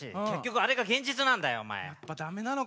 結局あれが現実なんだよお前。